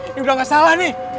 ini udah gak salah nih